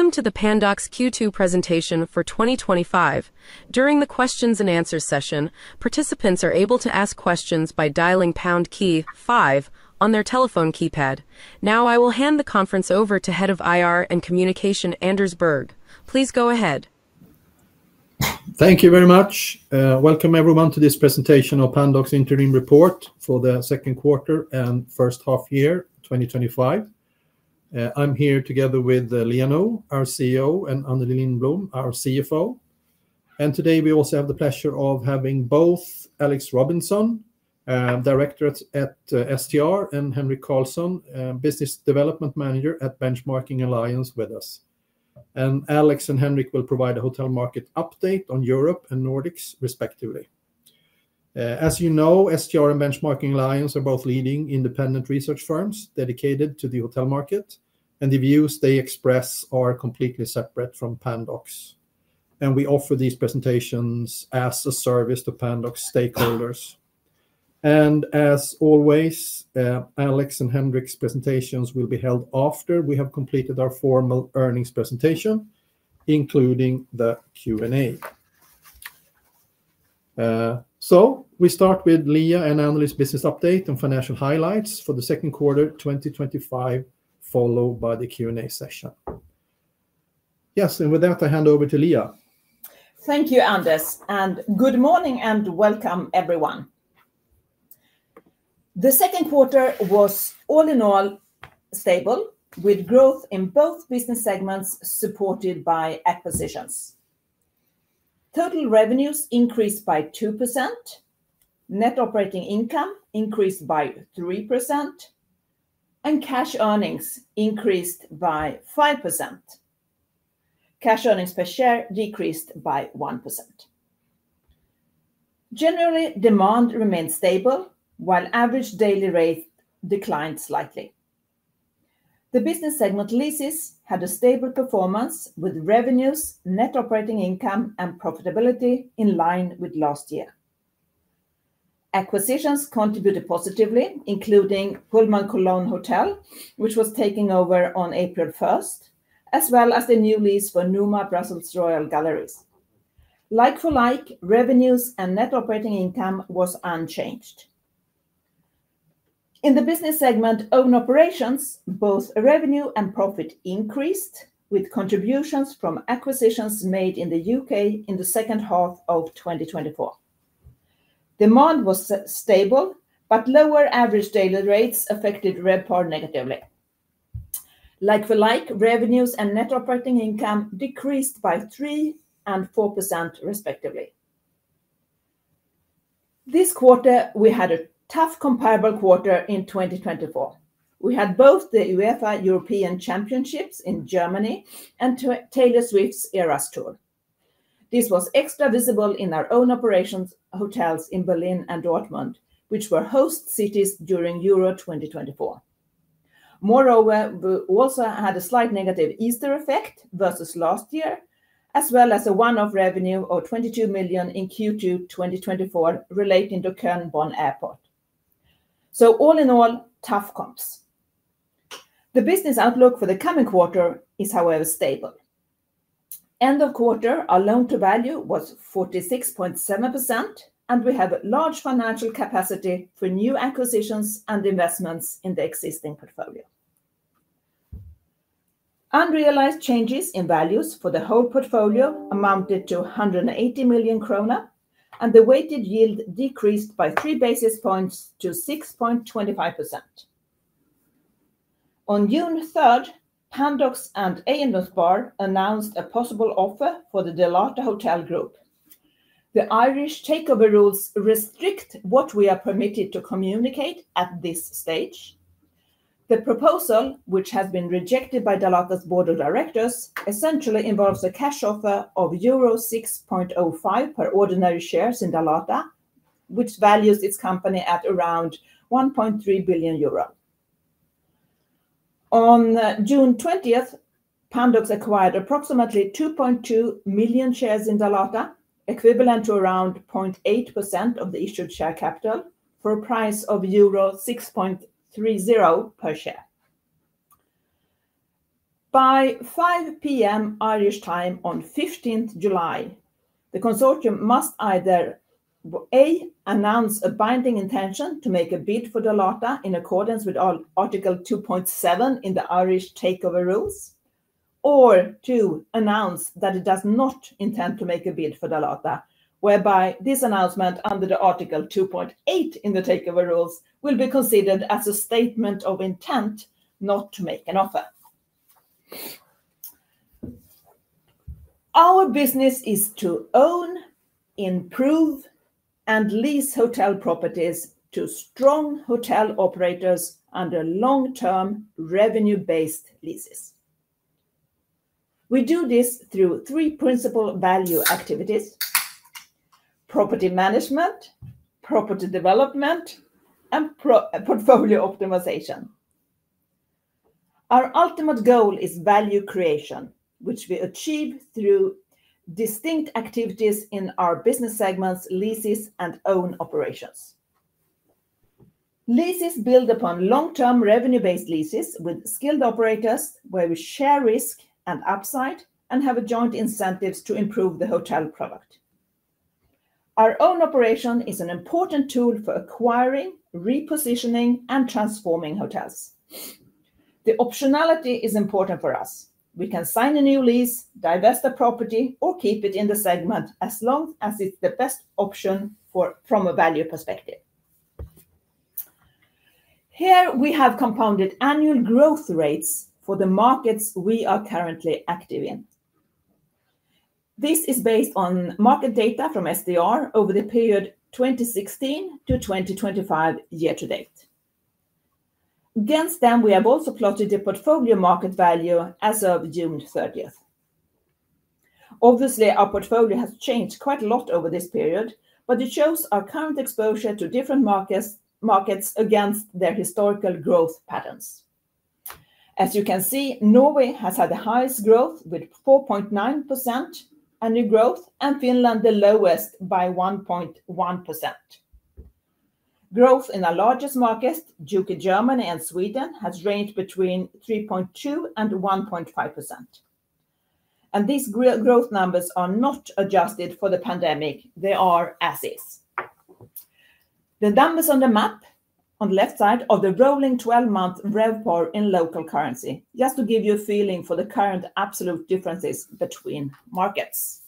Welcome to the Pandox Q2 presentation for 2025. During the questions and answers session, participants are able to ask questions by dialing the pound key five on their telephone keypad. Now I will hand the conference over to Head of IR and Communication Anders Berg. Please go ahead. Thank you very much. Welcome everyone to this presentation of Pandox's interim report for the second quarter and first half year 2025. I'm here together with Liia Nõu, our CEO, and Anneli Lindblom, our CFO. Today we also have the pleasure of having both Alex Robinson, Director at STR, and Henrik Karlsson, Business Development Manager at Benchmarking Alliance with us. Alex and Henrik will provide a hotel market update on Europe and Nordics respectively. As you know, STR and Benchmarking Alliance are both leading independent research firms. They are dedicated to the hotel market and the views they express are completely separate from Pandox's. We offer these presentations as a service to Pandox stakeholders. As always, Alex and Henrik's presentations will be held after we have completed our formal earnings presentation including the Q&A. We start with Liia and Anneli's business update and financial highlights for the second quarter 2025, followed by the Q&A session. With that I hand over to Liia. Thank you, Anders, and good morning and welcome everyone. The second quarter was all in all stable with growth in both business segments supported by acquisitions. Total revenues increased by 2%, net operating income increased by 3%, and cash earnings increased by 5%. Cash earnings per share decreased by 1%. Generally, demand remained stable while average daily rate declined slightly. The business segment leases had a stable performance with revenues, net operating income, and profitability in line with last year. Acquisitions contributed positively, including Pullman Cologne Hotel, which was taken over on April 1st, as well as the new lease for Numa Brussels Royal Galleries. Like-for-like, revenues and net operating income were unchanged in the business segment own operations. Both revenue and profit increased with contributions from acquisitions made in the U.K. in the second half of 2024. Demand was stable, but lower average daily rates affected RevPAR negatively. Like-for-like, revenues and net operating income decreased by 3% and 4%, respectively, this quarter. We had a tough comparable quarter in 2024. We had both the UEFA European Championships in Germany and Taylor Swift's Eras Tour. This was extra visible in our own operations hotels in Berlin and Dortmund, which were host cities during Euro 2024. Moreover, we also had a slight negative Easter effect versus last year, as well as a one-off revenue of 22 million in Q2 2024 relating to Köln Bonn Airport. All in all, tough comps. The business outlook for the coming quarter is, however, stable. End of quarter, our loan-to-value ratio was 46.7%, and we have large financial capacity for new acquisitions and investments in the existing portfolio. Unrealized changes in values for the whole portfolio amounted to 180 million krona, and the weighted yield decreased by 3 basis points to 6.25%. On June 3, Pandox and Eiendomsspar announced a possible offer for the Dalata Hotel Group. The Irish Takeover Rules restrict what we are permitted to communicate at this stage. The proposal, which has been rejected by Dalata's board of directors, essentially involves a cash offer of euro 6.05 per ordinary share in Dalata, which values its company at around 1.3 billion euro. On June 20th, Pandox acquired approximately 2.2 million shares in Dalata, equivalent to around 0.8% of the issued share capital, for a price of euro 6.30 per share. By 5:00 P.M. Irish time on 15 July, the consortium must either 1. announce a binding intention to make a bid for Dalata in accordance with Article 2.7 in the Irish Takeover Rules or 2. announce that it does not intend to make a bid for Dalata, whereby this announcement under Article 2.8 in the Takeover Rules will be considered as a statement of intent not to make an offer. Our business is to own, improve, and lease hotel properties to strong hotel operators under long-term revenue-based leases. We do this through three principal value drivers: property management, property development, and portfolio optimization. Our ultimate goal is value creation, which we achieve through distinct activities in our business segments, leases, and own operations. Leases build upon long-term revenue-based leases with skilled operators where we share risk and upside and have joint incentives to improve the hotel product. Our own operation is an important tool for acquiring, repositioning, and transforming hotels. The optionality is important for us. We can sign a new lease, divest the property, or keep it in the segment as long as it's the best option from a value perspective. Here we have compounded annual growth rates for the markets we are currently active in. This is based on market data from STR over the period 2016 to 2025 year-to-date. Against them, we have also plotted the portfolio market value as of June 30. Obviously, our portfolio has changed quite a lot over this period, but it shows our current exposure to different markets against their historical growth patterns. As you can see, Norway has had the highest growth with 4.9% annual growth and Finland the lowest by 1.1%. Growth in our largest markets, the U.K., Germany, and Sweden, has ranged between 3.2% and 1.5%, and these growth numbers are not adjusted for the pandemic. They are as is, the numbers on the map. On the left side are the rolling 12-month RevPAR in local currency. Just to give you a feeling for the current absolute differences between markets,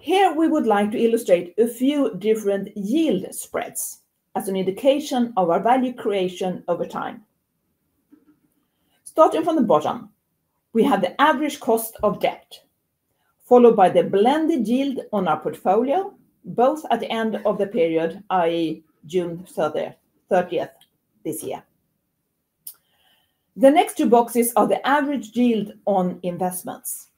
here we would like to illustrate a few different yield spreads as an indication of our value creation over time. Starting from the bottom, we have the average cost of debt followed by the blended yield on our portfolio, both at the end of the period, that is, June 30th this year. The next two boxes are the average yield on investments.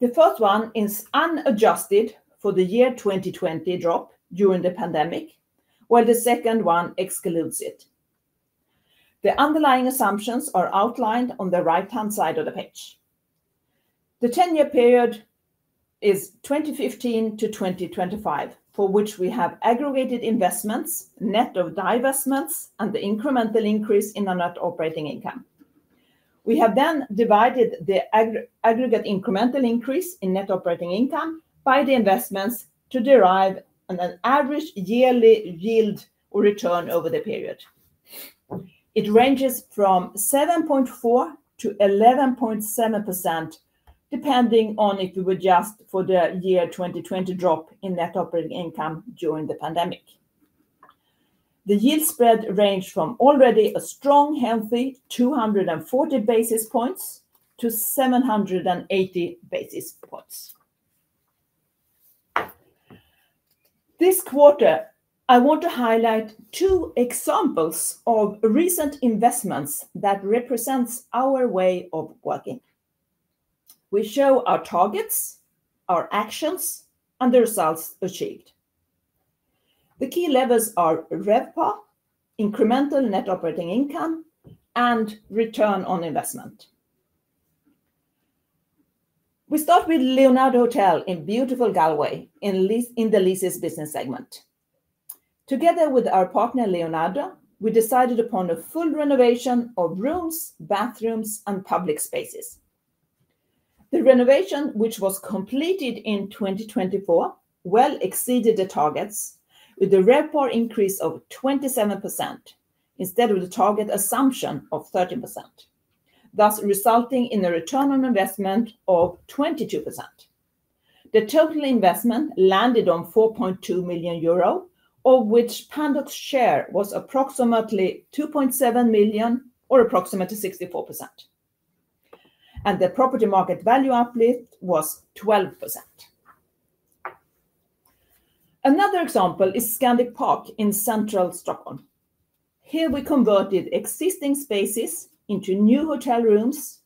The first one is unadjusted for the 2020 drop during the pandemic, while the second one excludes it. The underlying assumptions are outlined on the right-hand side of the page. The 10-year period is 2015 to 2025 for which we have aggregated investments net of divestments and the incremental increase in the net operating income. We have then divided the aggregate incremental increase in net operating income by the investments to derive an average yearly yield return over the period. It ranges from 7.4%-11.7% depending on if you adjust for the year 2020 drop in net operating income during the pandemic. The yield spread ranged from already a strong healthy 240 basis points-780 basis points this quarter. I want to highlight two examples of recent investments that represent our way of growth working. We show our targets, our actions, and the results achieved. The key levers are RevPAR, incremental net operating income, and return on investment. We start with Leonardo Hotel in beautiful Galway in the leases business segment. Together with our partner Leonardo, we decided upon a full renovation of rooms with bathrooms and public spaces. The renovation, which was completed in 2024, well exceeded the targets with the rare increase of 27% instead of the target assumption of 13%, thus resulting in a return on investment of 22%. The total investment landed on 4.2 million euro, of which Pandox's share was approximately 2.7 million or approximately 64%, and the property market value uplift was 12%. Another example is Scandic Park in central Stockholm. Here we converted existing spaces into new hotel rooms,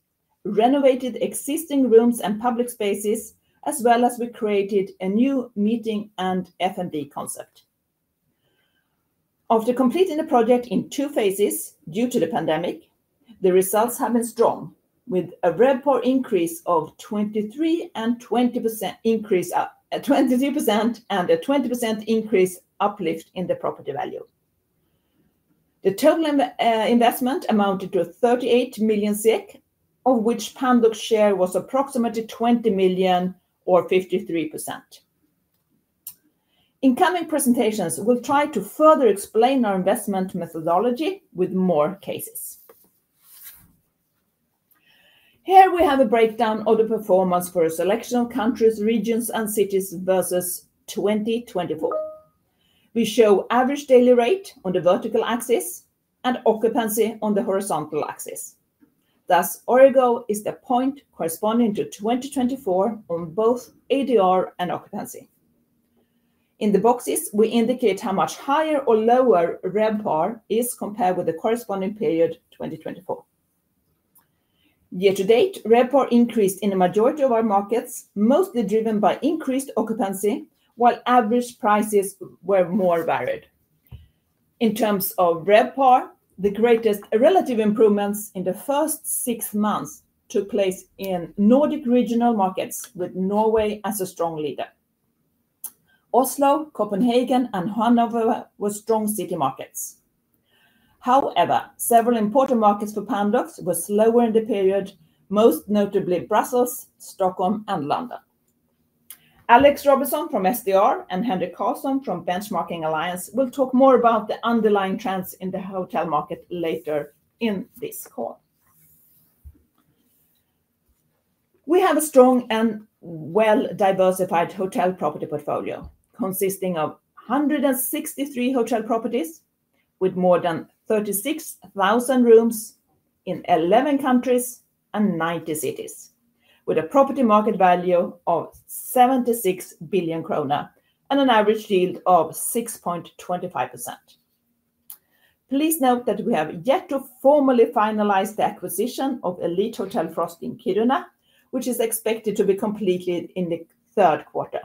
renovated existing rooms and public spaces, as well as we created a new meeting and F&B concept. After completing the project in two phases due to the pandemic, the results have been strong with a RevPAR increase of 23% and a 20% uplift in the property value. The total investment amounted to 38 million, of which Pandox's share was approximately 20 million or 53%. In coming presentations we'll try to further explain our investment methodology with more cases. Here we have a breakdown of the performance for a selection of countries, regions, and cities versus 2024. We show average daily rate on the vertical axis and occupancy on the horizontal axis. Thus, Origo is the point corresponding to 2024 on both ADR and occupancy. In the boxes we indicate how much higher or lower RevPAR is compared with the corresponding period 2024 year-to-date. RevPAR increased in the majority of our markets, mostly driven by increased occupancy, while average prices were more varied. In terms of RevPAR, the greatest relative improvements in the first six months took place in Nordic regional markets, with Norway as a strong leader. Oslo, Copenhagen, and Hanover were strong city markets. However, several important markets for Pandox were slower in the period, most notably Brussels, Stockholm, and London. Alex Robinson from STR and Henrik Karlsson from Benchmarking Alliance will talk more about the underlying trends in the hotel market later in this call. We have a strong and well-diversified hotel property portfolio consisting of 163 hotel properties with more than 36,000 rooms in 11 countries and 90 cities, with a property market value of 76 billion krona and an average yield of 6.25%. Please note that we have yet to formally finalize the acquisition of Elite Hotel Frost in Kiruna, which is expected to be completed in the third quarter,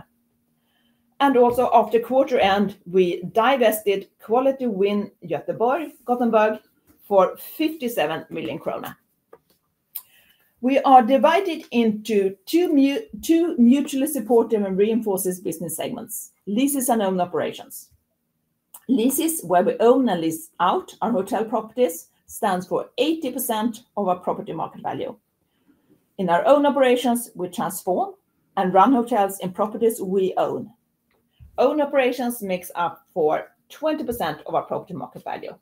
and also after quarter end we divested Quality Winn Göteborg for 57 million kronor. We are divided into two mutually supportive and reinforced business segments: Leases and Own Operations. Leases, where we own and lease out our hotel properties, stands for 80% of our property market value. In our Own Operations, we transform and run hotels in properties we own. Own Operations makes up 20% of our property market value,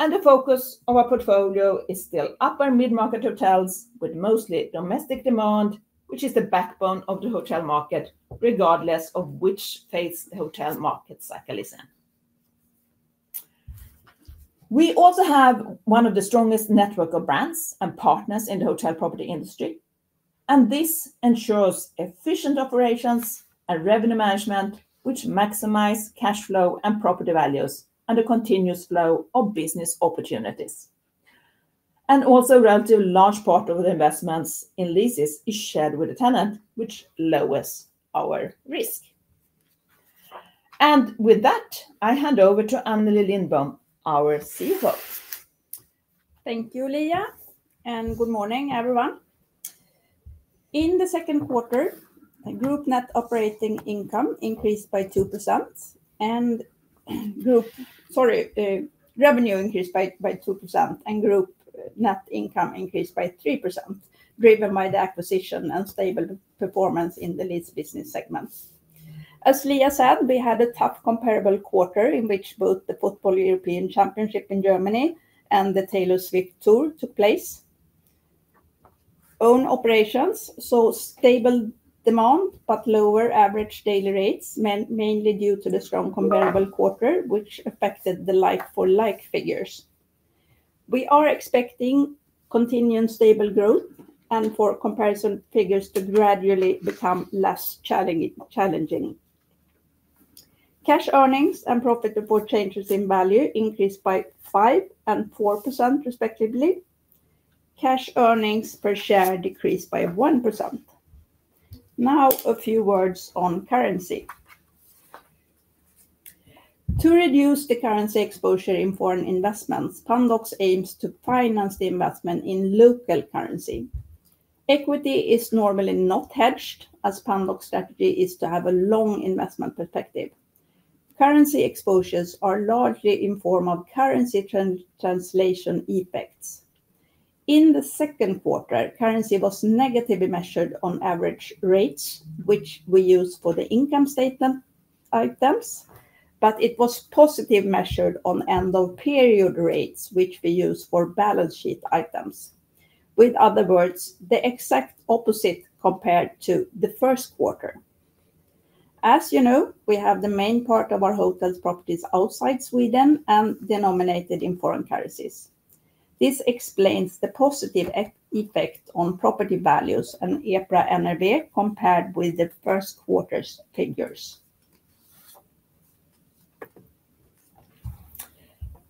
and the focus of our portfolio is still upper mid-market hotels with mostly domestic demand, which is the backbone of the hotel market. Regardless of which phase the hotel market cycle is in, we also have one of the strongest networks of brands and partners in the hotel property industry, and this ensures efficient operations and revenue management, which maximize cash flow and property values and a continuous flow of business opportunities. Also, a relatively large part of the investments in Leases is shared with the tenant, which lowers our risk, and with that I hand over to Anneli Lindblom, our CFO. Thank you Liia and good morning everyone. In the second quarter, group net operating income increased by 2% and group revenue increased by 2% and group net income increased by 3% driven by the acquisition and stable performance in the leased business segment. As Liia said, we had a tough comparable quarter in which both the football European Championship in Germany and the Taylor Swift tour took place. Own operations saw stable demand, possibly at lower average daily rates, mainly due to the strong comparable quarter which affected the like-for-like figures. We are expecting continuing stable growth and for comparison figures to gradually become less challenging. Cash earnings and profitable changes in value increased by 5% and 4% respectively. Cash earnings per share decreased by 1%. Now a few words on currency. To reduce the currency exposure in foreign investments, Pandox aims to finance the investment in local currency. Equity is normally not hedged as Pandox's strategy is to have a long investment perspective. Currency exposures are largely in the form of currency translation effects. In the second quarter, currency was negatively measured on average rates which we use for the income statement items, but it was positive measured on end of period rates which we use for balance sheet items. In other words, the exact opposite compared to the first quarter. As you know, we have the main part of our hotel properties outside Sweden and denominated in foreign currencies. This explains the positive effect on property values and EPRA NRV compared with the first quarter's figures.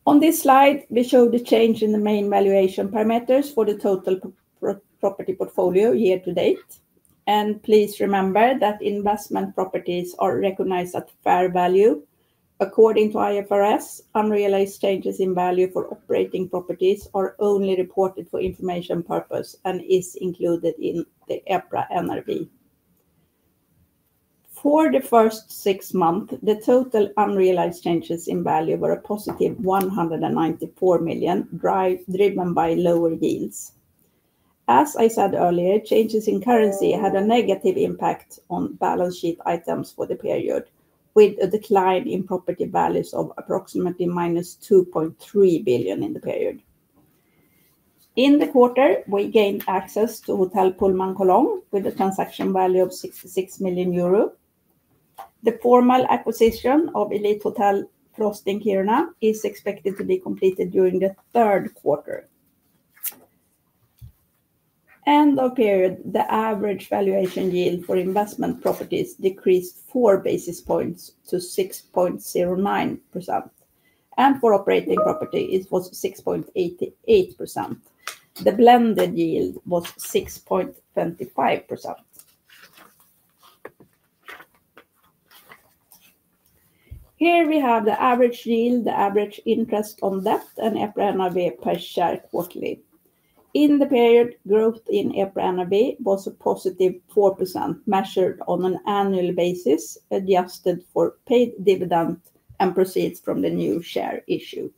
On this slide, we show the change in the main valuation parameters for the total property portfolio year-to-date and please remember that investment properties are recognized at fair value according to IFRS. Unrealized changes in value for operating properties are only reported for information purposes and are included in the EPRA NRV. For the first six months, the total unrealized changes in value were a +$194 million driven by lower yields. As I said earlier, changes in currency had a negative impact on balance sheet items for the period with a decline in property values of approximately -$2.3 billion in the period. In the quarter, we gained access to Hotel Pullman Cologne with a transaction value of 66 million euro. The formal acquisition of Elite Hotel Frosting here now is expected to be completed during the third quarter. End of period the average valuation yield for investment properties decreased 4 basis points to 6.09% and for operating property it was 6.88%. The blended yield was 6.25%. Here we have the average yield, the average interest on debt and a print of per share quarterly in the period. Growth in EPRA NAV was a +4% measured on an annual basis adjusted for paid dividend and proceeds from the new share issue.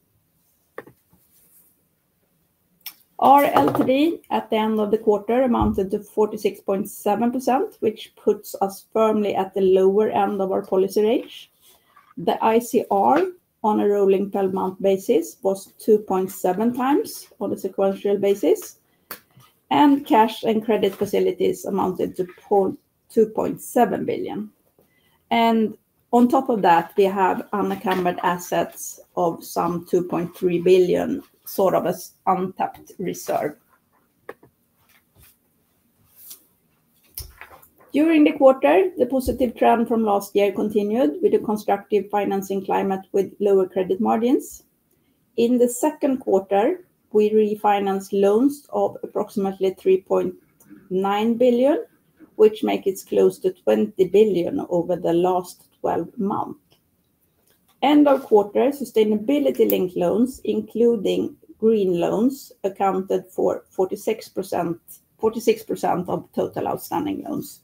Our LTV at the end of the quarter amounted to 46.7%, which puts us firmly at the lower end of our policy range. The ICR on a rolling per month basis was 2.7x on a sequential basis, and cash and credit facilities amounted to 2.7 billion. On top of that, we have unencumbered assets of some 2.3 billion, sort of as untapped reserve. During the quarter, the positive trend from last year continued with a constructive financing climate with lower credit margins. In the second quarter, we refinanced loans of approximately 3.9 billion, which makes it close to 20 billion over the last 12 months. End of quarter sustainability-linked loans, including green loans, accounted for 46% of total outstanding loans.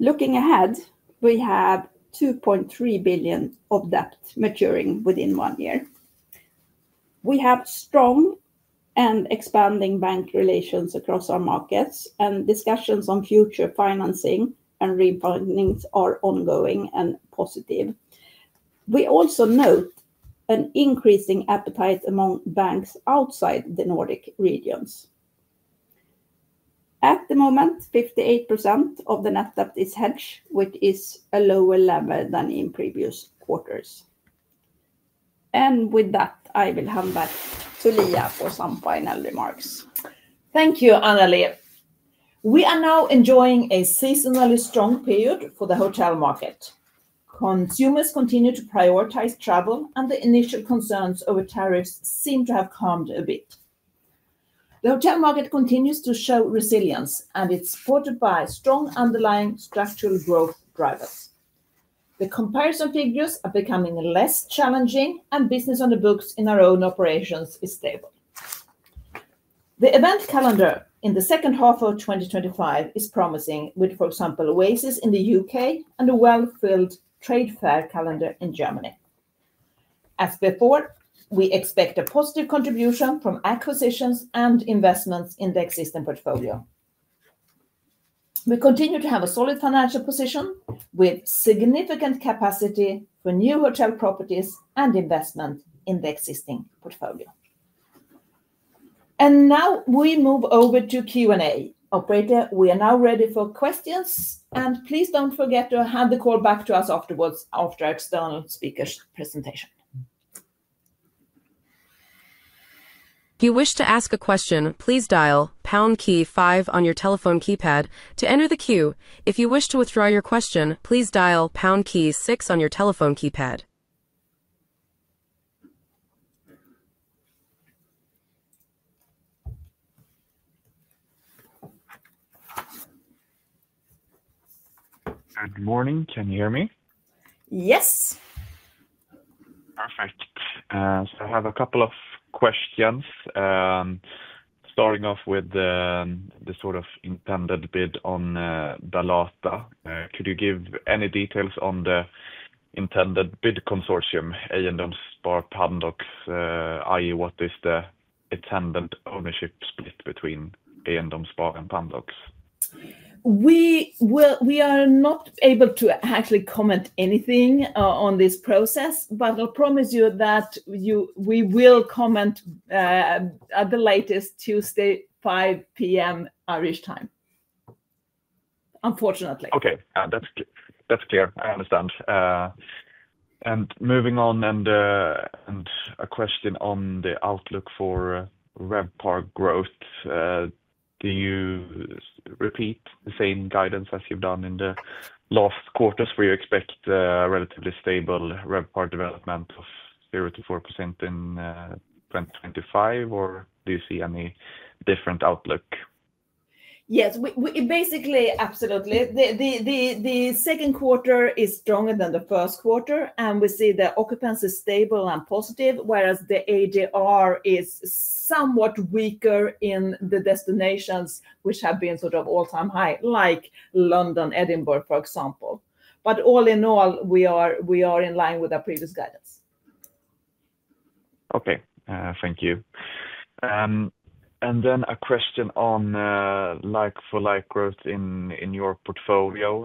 Looking ahead, we have 2.3 billion of debt maturing within one year. We have strong and expanding bank relations across our markets and discussions on future financing and refinancing are ongoing and positive. We also note an increasing appetite among banks outside the Nordic regions. At the moment, 58% of the net debt is hedged, which is a lower level than in previous quarters. With that, I will hand back to Liia for some final remarks. Thank you, Anneli. We are now enjoying a seasonally strong period for the hotel market. Consumers continue to prioritize travel and the initial concerns over tariffs seem to have calmed a bit. The hotel market continues to show resilience and it's supported by strong underlying structural growth drivers. The comparison figures are becoming less challenging and business on the books in our own operations is stable. The event calendar in the second half of 2025 is promising with, for example, Oasis in the U.K. and a well-filled trade fair calendar in Germany. As before, we expect a positive contribution from acquisitions and investments in the existing portfolio. We continue to have a solid financial position with significant capacity for new hotel properties and investment in the existing portfolio. We now move over to Q&A. Operator. We are now ready for questions, and please don't forget to hand the call back to us afterwards after our external speaker's presentation. If you wish to ask a question, please dial pound key five on your telephone keypad to enter the queue. If you wish to withdraw your question, please dial pound key six on your telephone keypad. Good morning. Can you hear me? Yes. Perfect. I have a couple of questions. Starting off with the sort of intended bid on Dalata, could you give any details on the intended bidder consortium, Eiendomsspar, Pandox, i.e. what is the intended ownership split between Eiendomsspar and Pandox? We are not able to actually comment anything on this process, but I'll promise you that we will comment at the latest Tuesday 5:00 P.M. Irish time, unfortunately. Okay, that's clear. I understand. Moving on, a question on the outlook for RevPAR growth. Do you repeat the same guidance as you've done in the last quarters where you expect relatively stable RevPAR development of 0%-4% in 2025, or do you see any different outlook? Yes, basically. Absolutely. The second quarter is stronger than the first quarter, and we see the occupancy stable and positive, whereas the ADR is somewhat weaker in the destinations which have been sort of all-time high, like London and Edinburgh, for example. All in all, we are in line with our previous guidance. Thank you. A question on like-for-like growth in your portfolio: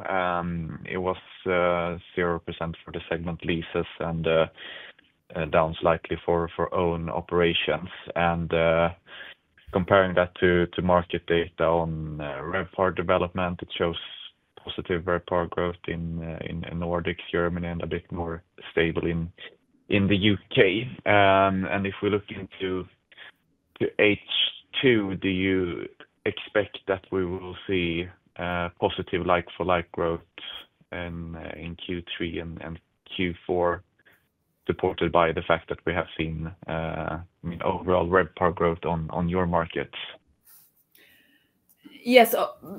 it was 0% for the segment leases and down slightly for own operations. Comparing that to market data on RevPAR development, it shows positive RevPAR growth in the Nordics, Germany, and a bit more stable in the U.K. If we look into H2, do you expect that we will see positive like-for-like growth in Q3 and Q4, supported by the fact that we have seen overall RevPAR growth in your markets? Yes.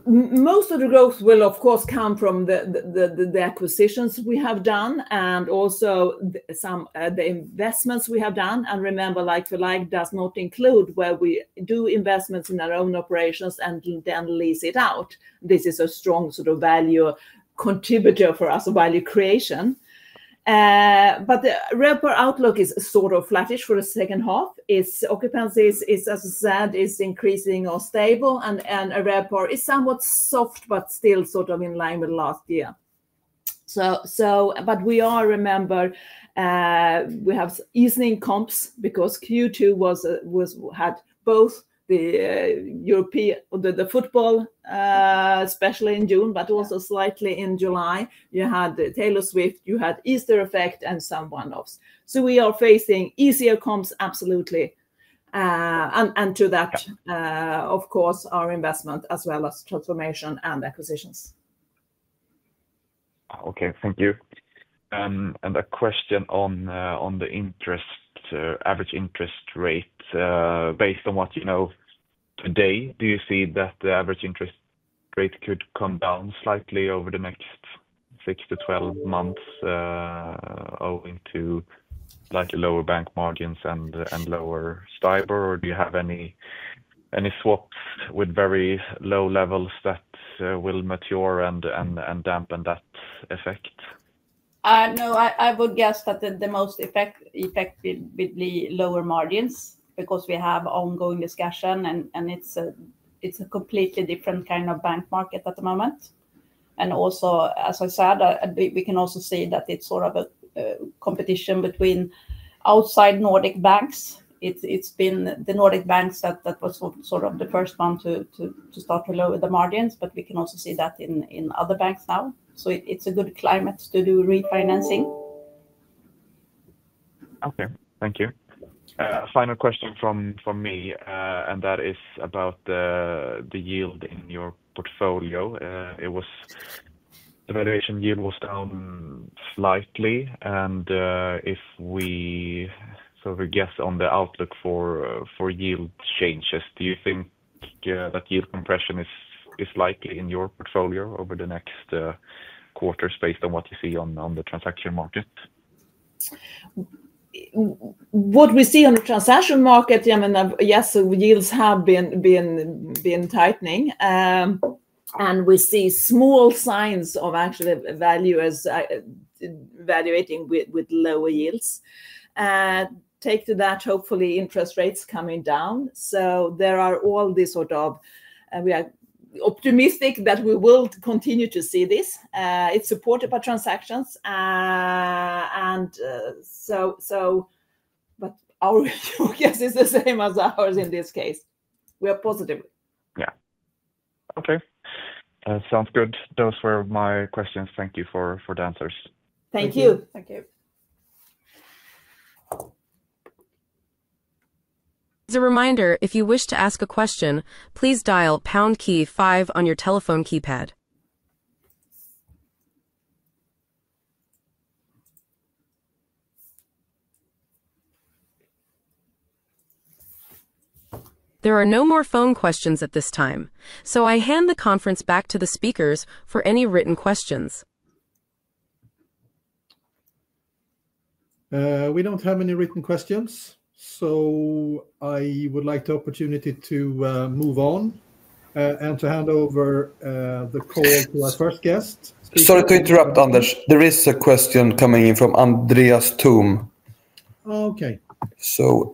Most of the growth will of course come from the acquisitions we have done and also some of the investments we have done. Remember like-for-like does not include where we do investments in our own operations and then lease it out. This is a strong sort of value contributor for us, value creation. The RevPAR outlook is sort of flattish for the second half. Occupancy is, as I said, increasing or stable. ADR is somewhat soft but still sort of in line with last year. We have easing comps because Q2 had both the European football, especially in June, but also slightly in July. You had Taylor Swift, you had Easter effect and some one-offs. We are facing easier comps, absolutely. To that, of course, add our investment as well as transformation and acquisitions. Okay, thank you. A question on the average interest rate. Based on what you know today, do you see that the average interest rate could come down slightly over the next six months to 12 months owing to slightly lower bank margins and lower STIBOR, or do you have any swaps with very low levels that will mature and dampen that effect? No, I would guess that the most effectively lower margins because we have ongoing discussion and it's a completely different kind of bank market at the moment. Also, as I said, we can also see that it's sort of a competition between outside Nordic banks. It's been the Nordic banks that were sort of the first ones to start to lower the margins. We can also see that in other banks now. It's a good climate to do refinancing. Okay, thank you. Final question from me, and that is about the yield in your portfolio. The valuation yield was down slightly. If we sort of guess on the outlook for yield changes, do you think that yield compression is likely in your portfolio over the next quarters based on what you see on the transaction market? What we see on the transaction market, yes. Yields have been tightening, and we see small signs of actually value as valuating with lower yields. Take to that. Hopefully, interest rates coming down. There are all this sort of. We are optimistic that we will continue to see this, and it's supported by transactions. Our guess is the same as ours in this case. We are positive. Yeah. Okay, sounds good. Those were my questions. Thank you for the answers. Thank you. Thank you. As a reminder, if you wish to ask a question, please dial pound key five on your telephone keypad. There are no more phone questions at this time, so I hand the conference back to the speakers for any written questions. We don't have any written questions, so I would like the opportunity to move on and to hand over the call to our first guest. Sorry to interrupt. Anders, there is a question coming in from Andreas Tomb. Okay,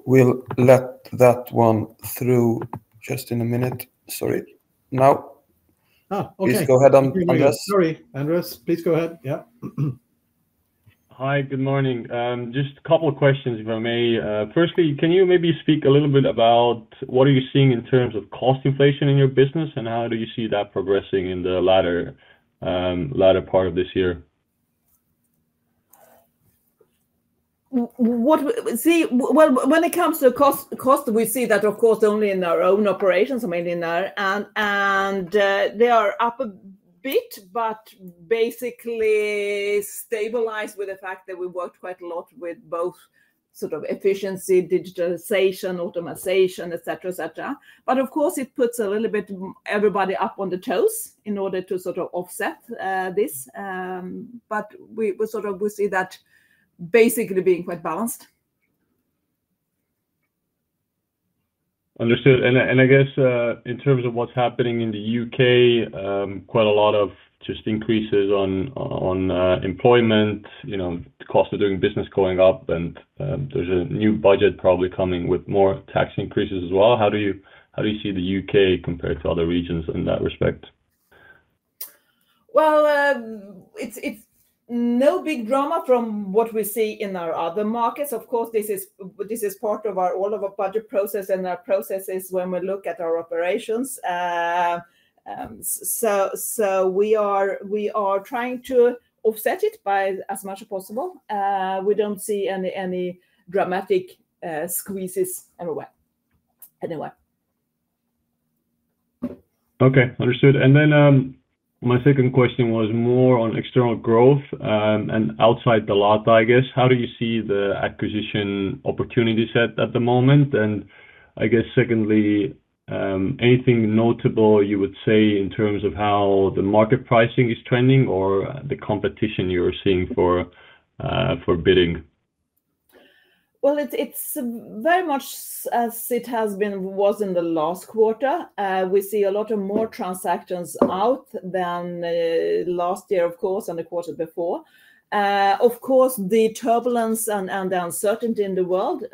we'll let that one through. Just a minute. Sorry. Now, please go ahead. Sorry. Anders, please go ahead. Yeah, hi, good morning. Just a couple of questions. Firstly, can you maybe speak a little bit about what are you seeing in terms of cost inflation in your business, and how do you see that progressing in the latter part of this year? What do we see? When it comes to cost, we see that of course only in our own operations mainly now, and they are up a bit, but basically stabilized with the fact that we worked quite a lot with both efficiency, digitalization, automation, etc. etc. It puts everybody up on the toes in order to sort of offset this. We see that basically being quite balanced. Understood. In terms of what's happening in the U.K., quite a lot of just increases on employment, you know, the cost of doing business going up, and there's a new budget probably coming with more tax increases as well. How do you see the U.K. compared to other regions in that respect? It is no big drama from what we see in our other markets. Of course, this is part of all of our budget process and our processes when we look at our operations. We are trying to offset it by as much as possible. We don't see any dramatic squeezes anyway. Okay, understood. My second question was more on external growth and outside Dalata, I guess, how do you see the acquisition opportunity set at the moment? I guess, secondly, anything notable you would say in terms of how the market pricing is trending or the competition you're seeing for bidding? It is very much as it has been in the last quarter. We see a lot more transactions out than last year, of course, and the quarter before. The turbulence and the uncertainty in the. World.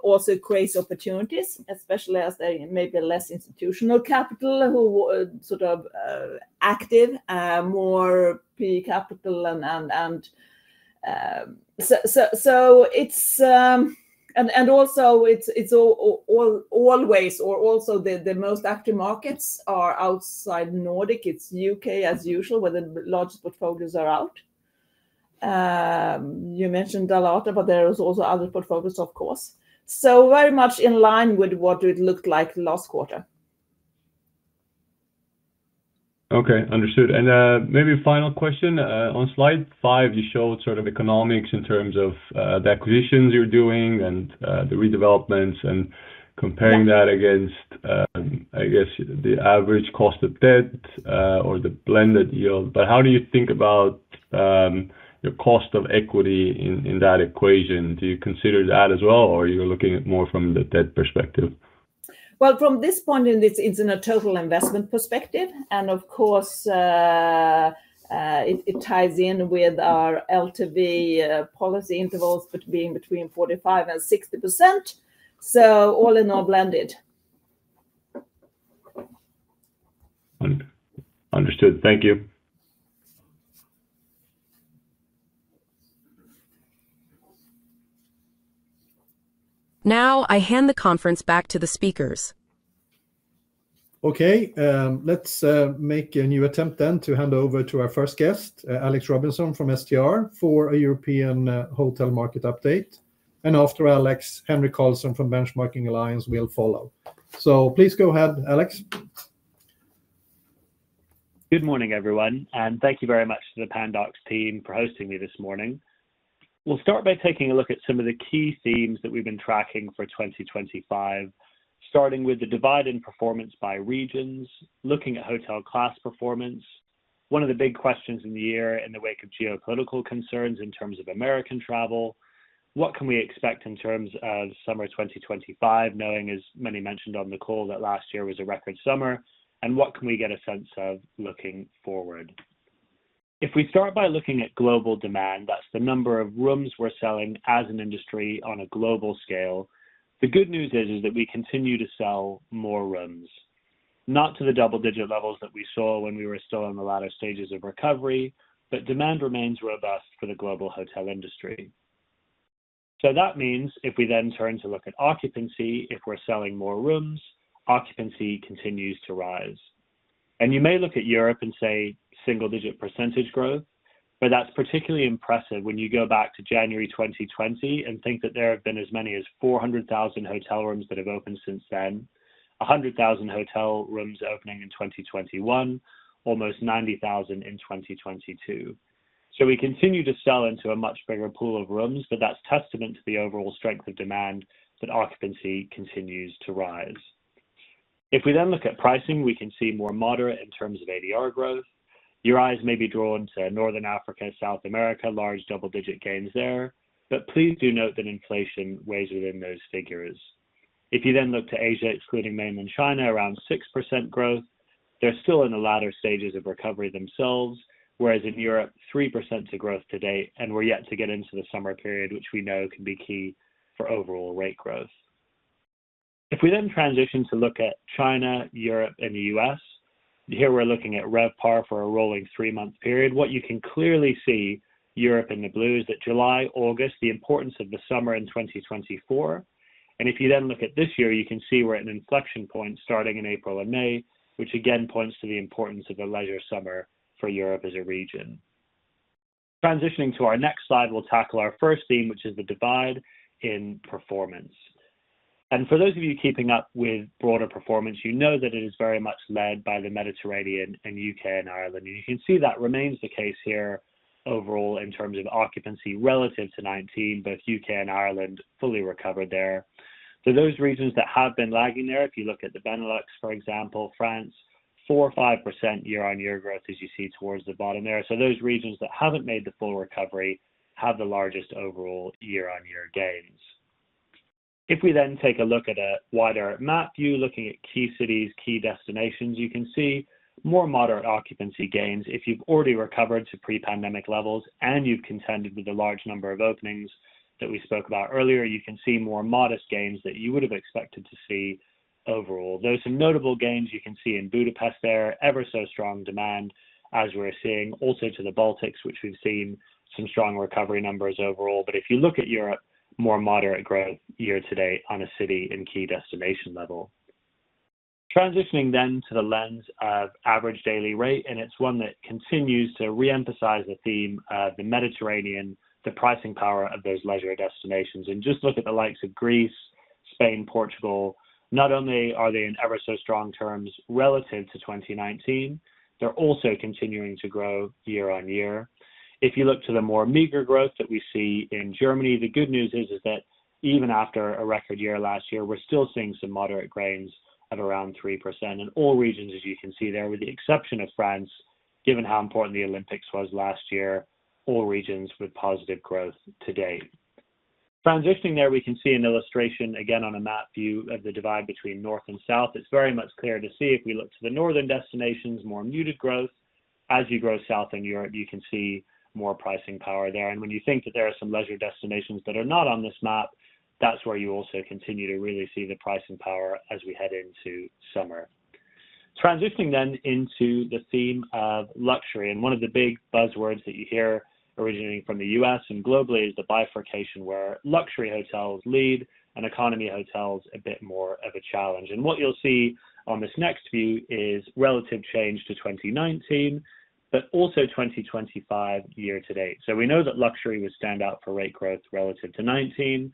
also creates opportunities, especially as there may be less institutional capital who are active, more PE capital. It's always the most active markets are outside the Nordics. It's the U.K. as usual, where the largest portfolios are out. You mentioned Dalata, but there are also other portfolios, of course, so very much in line with what it looked like last quarter. Okay, understood. Maybe a final question on slide five. You showed sort of economics in terms of the acquisitions you're doing and the redevelopments and comparing that against, I guess, the average cost of debt or the blended yield. How do you think about your cost of equity in that equation? Do you consider that as well, or are you looking at it more from the debt perspective? From this point it's in a total investment perspective, and of course it ties in with our LTV policy intervals being between 45% and 60%. All in all, blended. Understood. Thank you. Now I hand the conference back to the speakers. Okay, let's make a new attempt to hand over to our first guest, Alex Robinson from STR, for a European hotel market update. After Alex, Henrik Karlsson from Benchmarking Alliance will follow. Please go ahead, Alex. Good morning everyone and thank you very much to the Pandox team for hosting me this morning. We'll start by taking a look at some of the key themes that we've been tracking for 2025, starting with the divide in performance by regions. Looking at hotel class performance, one of the big questions in the year in the wake of geopolitical concerns in terms of American travel, what can we expect in terms of summer 2025? Knowing as many mentioned on the call, that last year was a record summer. What can we get a sense of looking forward? If we start by looking at global demand, that's the number of rooms we're selling as an industry on a global scale. The good news is that we continue to sell more rooms, not to the double digit levels that we saw when we were still in the latter stages of recovery, but demand remains robust for the global hotel industry. That means if we then turn to look at occupancy, if we're selling more rooms, occupancy continues to rise. You may look at Europe and say single digit percentage growth, but that's particularly impressive when you go back to January 2020 and think that there have been as many as 400,000 hotel rooms that have opened since then, 100,000 hotel rooms opening in 2021, almost 90,000 in 2022. We continue to sell into a much bigger pool of rooms. That's testament to the overall strength of demand. Occupancy continues to rise. If we then look at pricing, we can see more moderate in terms of ADR growth. Your eyes may be drawn to Northern Africa, South America, large double digit gains there. Please do note that inflation weighs within those figures. If you then look to Asia, excluding mainland China, around 6% growth, they're still in the latter stages of recovery themselves. Whereas in Europe, 3% to growth to date. We're yet to get into the summer period, which we know can be key for overall rate growth. If we then transition to look at China, Europe and the U.S. here we're looking at RevPAR for a rolling three month period. What you can clearly see Europe in the blue is that July, August, the importance of the summer in 2024. If you then look at this year, you can see we're at an inflection point starting in April and May, which again points to the importance of the leisure summer for Europe as a region. Transitioning to our next slide, we'll tackle our first theme which is the divide in performance. For those of you keeping up with broader performance, you know that it is very much led by the Mediterranean, U.K., and Ireland. You can see that remains the case here overall in terms of occupancy relative to 2019, with both U.K. and Ireland fully recovered there for those reasons that have been lagging there. If you look at the Benelux, for example, France, 4% or 5% year-on-year growth as you see towards the bottom there. Those regions that haven't made the full recovery have the largest overall year-on-year gains. If we then take a look at a wider map view, looking at key cities and key destinations, you can see more moderate occupancy gains. If you've already recovered to pre-pandemic levels and you've contended with the large number of openings that we spoke about earlier, you can see more modest gains that you would have expected to see overall. There are some notable gains you can see in Budapest, with ever so strong demand as we're seeing also in the Baltics, which have shown some strong recovery numbers overall. If you look at Europe, there is more moderate growth year-to-date on a city and key destination level. Transitioning then to the lens of average daily rate, it is one that continues to re-emphasize the theme of the Mediterranean, the pricing power of those leisure destinations. Just look at the likes of Greece, Spain, and Portugal. Not only are they in ever so strong terms relative to 2019, they're also continuing to grow year-on-year. If you look to the more meager growth that we see in Germany, the good news is that even after a record year last year, we're still seeing some moderate gains at around 3% in all regions, as you can see there, with the exception of France. Given how important the Olympics was last year, all regions have positive growth today. Transitioning, we can see an illustration again on a map view of the divide between north and south. It is very much clear to see if we look to the northern destinations, there is more muted growth. As you go south in Europe, you can see more pricing power there. When you think that there are some leisure destinations that are not on this map, that's where you also continue to really see the pricing power as we head into summer. Transitioning then into the theme of luxury, one of the big buzzwords that you hear originating from the U.S. and globally is the bifurcation where luxury hotels lead and economy hotels face a bit more of a challenge. What you'll see on this next view is relative change to 2019, but also 2025 year-to-date. We know that luxury would stand out for rate growth relative to 2019,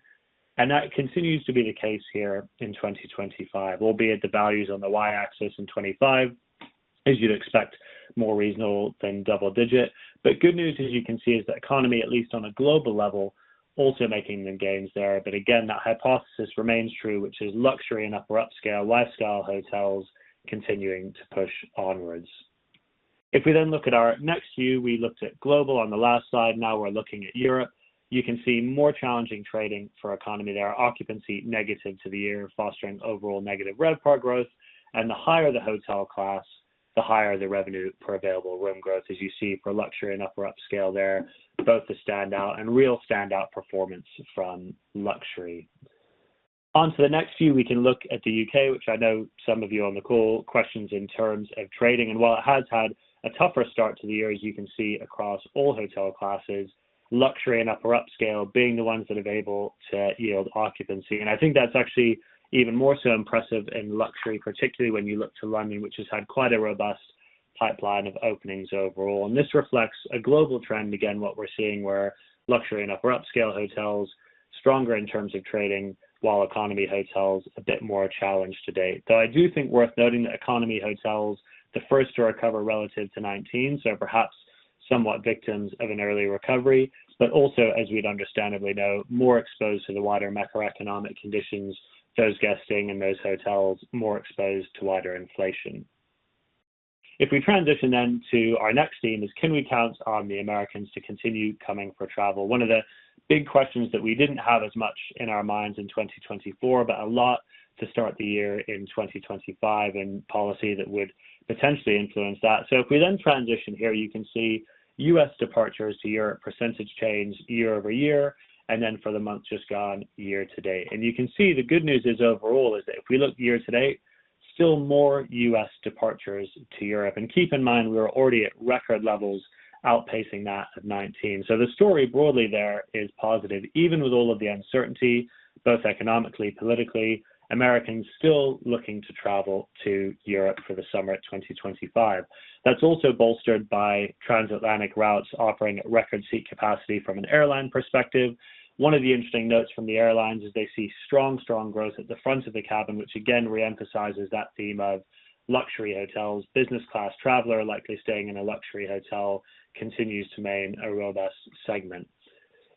and that continues to be the case here in 2025, albeit the values on the y-axis in 2025, as you'd expect, are more reasonable than double digit. Good news, as you can see, is that economy, at least on a global level, is also making gains there. Again, that hypothesis remains true, which is luxury and upper upscale lifestyle hotels continuing to push onwards. If we then look at our next view, we looked at global on the last slide. Now we're looking at Europe. You can see more challenging trading for economy there, occupancy negative to the year, fostering overall negative RevPAR growth. The higher the hotel class, the higher the revenue per available room growth, as you see for luxury and upper upscale there, both the standout and real standout performance. From luxury onto the next view, we can look at the U.K., which I know some of you on the call have questions in terms of trading. While it has had a tougher start to the year, as you can see across all hotel classes, luxury and upper upscale are the ones that have been able to yield occupancy. I think that's actually even more so impressive in luxury, particularly when you look to London, which has had quite a robust pipeline of openings overall. This reflects a global trend. Again, what we're seeing is that luxury and upper upscale hotels are stronger in terms of trading, while economy hotels are a bit more challenged to date. Though I do think it's worth noting that economy hotels were the first to recover relative to 2019, so perhaps somewhat victims of an early recovery. Also, as we'd understandably know, more exposed to the wider macroeconomic conditions, those guesting and those hotels are more exposed to wider inflation. If we transition then to our next theme, can we count on the Americans to continue coming for travel? One of the big questions that we didn't have as much in our minds in 2024, but a lot to start the year in 2025 and policy that would potentially influence that. If we then transition here, you can see U.S. departures to Europe, percentage change year-over-year, and then for the month just gone year-to-date. You can see the good news is overall that if we look year-to-date, still more U.S. departures to Europe, and keep in mind we are already at record levels, outpacing that at 2019. The story broadly there is positive even with all of the uncertainty, both economically and politically, Americans still looking to travel to Europe for the summer 2025. That's also bolstered by transatlantic routes offering record seat capacity from an airline perspective. One of the interesting notes from the airlines is they see strong, strong growth at the front of the cabin, which again re-emphasizes that theme of luxury hotels. Business class traveler likely staying in a luxury hotel continues to maintain a robust segment.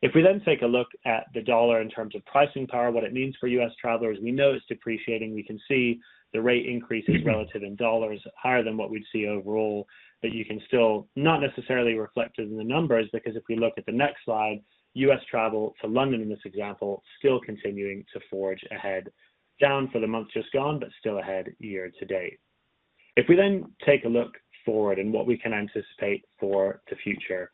If we then take a look at the dollar in terms of pricing power, what it means for U.S. travelers, we know it's depreciating. We can see the rate increases relative in dollars higher than what we'd see overall. You can still not necessarily reflect it in the numbers because if we look at the next slide, U.S. travel to London in this example still continuing to forge ahead, down for the month just gone, but still ahead year-to-date. If we then take a look forward and what we can anticipate for the future,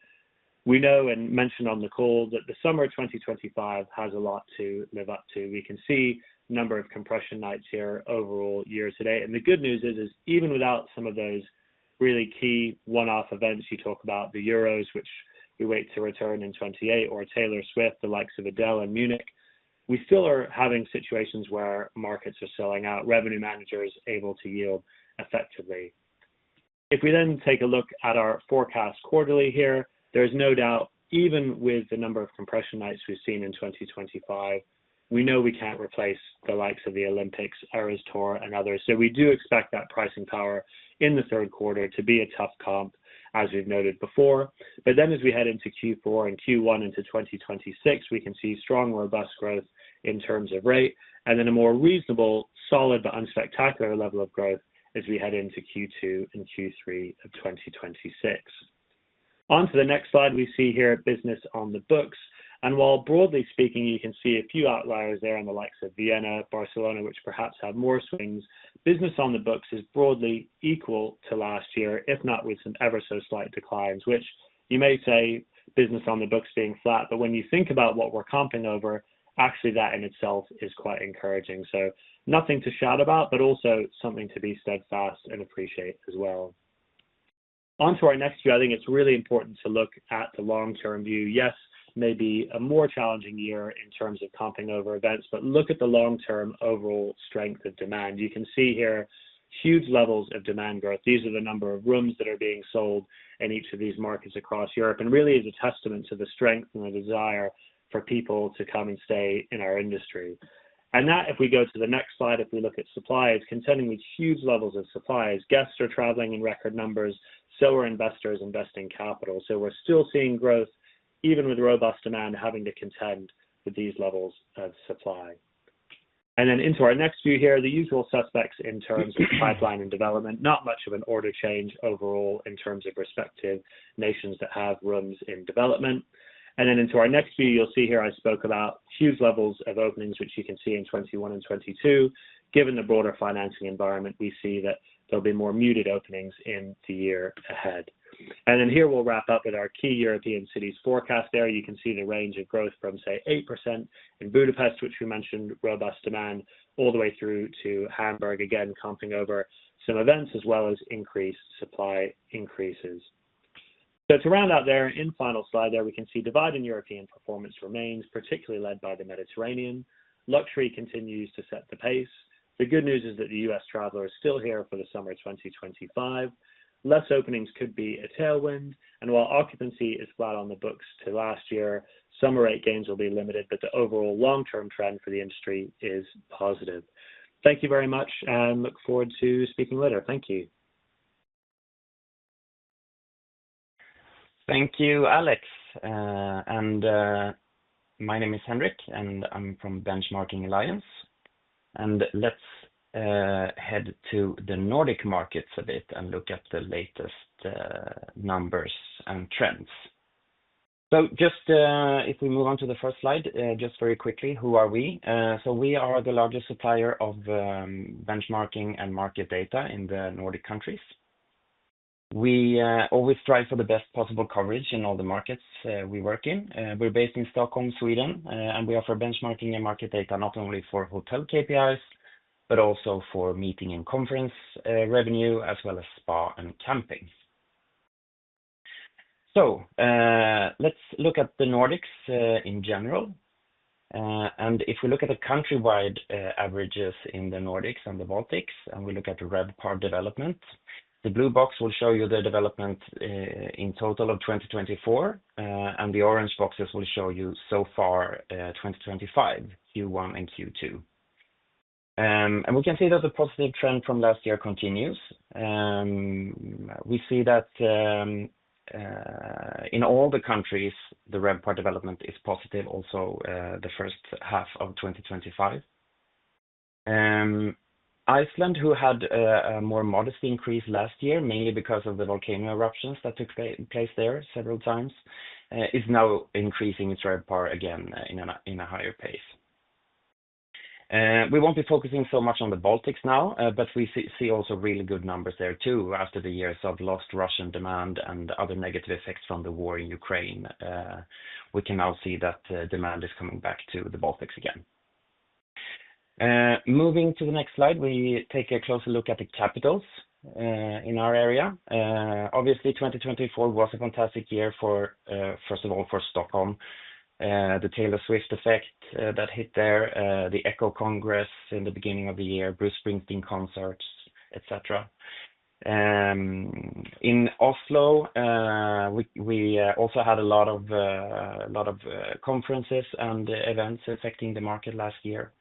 we know and mentioned on the call that the summer 2025 has a lot to live up to. We can see number of compression nights here overall year-to-date. The good news is even without some of those really key one-off events, you talk about the Euros which we wait to return in 2028, or Taylor Swift, the likes of Adele and Munich, we still are having situations where markets are selling out, revenue managers able to yield effectively. If we then take a look at our forecast quarterly here, there is no doubt even with the number of compression nights we've seen in 2025, we know we can't replace the likes of the Olympics, Eras Tour and others. We do expect that pricing power in the third quarter to be a tough comp, as we've noted before. As we head into Q4 and Q1 into 2026, we can see strong robust growth in terms of rate and then a more reasonable, solid, but unspectacular level of growth as we head into Q2 and Q3 of 2026. Onto the next slide, we see here business on the books. While broadly speaking you can see a few outliers there in the likes of Vienna, Barcelona, which perhaps have more swings, business on the books is broadly equal to last year, if not with some ever so slight declines, which you may say business on the books being flat. When you think about what we're comping over, actually that in itself is quite encouraging. Nothing to shout about, but also something to be steadfast and appreciate as well. Onto our next view. I think it's really important to look at the long-term view. Yes, maybe a more challenging year in terms of comping over events, but look at the long-term overall strength of demand. You can see here huge levels of demand growth. These are the number of rooms that are being sold in each of these markets across Europe and it really is a testament to the strength and the desire for people to come and stay in our industry. If we go to the next slide, if we look at supply, it is contending with huge levels of supply. As guests are traveling in record numbers, investors are investing capital. We're still seeing growth even with robust demand, having to contend with these levels of supply. Into our next view here, the usual suspects in terms of pipeline and development, not much of an order change overall in terms of respective nations that have rooms in development. Into our next view, you'll see here I spoke about huge levels of openings, which you can see in 2021 and 2022. Given the broader financing environment, we see that there will be more muted openings in the year ahead. Here we'll wrap up with our key European cities forecast. There you can see the range of growth, for example, 8% in Budapest, which we mentioned, robust demand all the way through to Hamburg. Again, comping over some events as well as increased supply increases. To round out there, in the final slide, we can see the divide in European performance remains, particularly led by the Mediterranean. Luxury continues to set the pace. The good news is that the U.S. traveler is still here for the summer 2025. Fewer openings could be a tailwind. While occupancy is flat on the books to last year, summer rate gains will be limited. The overall long-term trend for the industry is positive. Thank you very much and look forward to speaking later. Thank you. Thank you, Alex. My name is Henrik and I'm from Benchmarking Alliance. Let's head to the Nordic markets a bit and look at the latest numbers and trends. If we move on to the first slide very quickly, who are we? We are the largest supplier of benchmarking and market data in the Nordic countries. We always strive for the best possible coverage in all the markets we work in. We're based in Stockholm, Sweden, and we offer benchmarking and market data not only for hotel KPIs but also for meeting and conference revenue as well as spa and campaign. Let's look at the Nordics in general. If we look at the countrywide averages in the Nordics and the Baltics and we look at RevPAR development, the blue box will show you the development in total of 2024. The orange boxes will show you so far 2025 Q1 and Q2. We can see that the positive trend from last year continues. We see that in all the countries the RevPAR development is positive, also the first half of 2025. Iceland, who had a more modest increase last year mainly because of the volcano eruptions that took place there several times, is now increasing its RevPAR again at a higher pace. We won't be focusing so much on the Baltics now, but we see also really good numbers there too after the years of lost Russian demand and other negative effects from the war. In Ukraine, we can now see that demand is coming back to the Baltics again. Moving to the next slide, we take a closer look at the capitals in our area. Obviously, 2024 was a fantastic year for, first of all, Stockholm, the Taylor Swift effect that hit there, the ECCO Congress in the beginning of the year, Bruce Springsteen concerts, etc. In Oslo, we also had a lot of conferences and events affecting the market last year.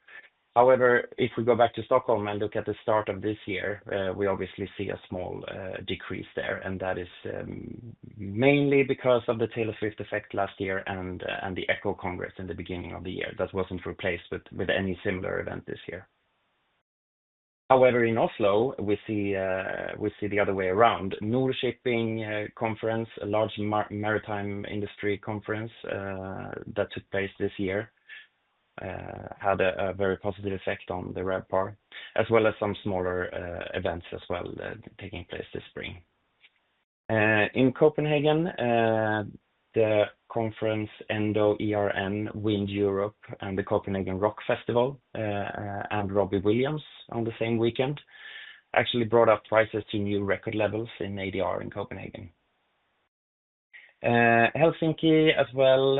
However, if we go back to Stockholm and look at the start of this year, we obviously see a small decrease there. That is mainly because of the Taylor Swift effect last year and the ECCO Congress in the beginning of the year that wasn't replaced with any similar event this year. However, in Oslo we see the other way around. New Shipping conference, a large maritime industry conference that took place this year, had a very positive effect on the RevPAR as well as some smaller events as well taking place this spring in Copenhagen. The conference Endo-ERN, WindEurope and the Copenhagen Rock Festival and Robbie Williams on the same weekend actually brought up prices to new record levels in ADR in Copenhagen. Helsinki as well.